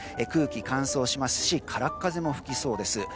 空気が乾燥しますし空っ風も吹きそうです。